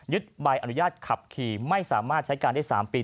ใบอนุญาตขับขี่ไม่สามารถใช้การได้๓ปี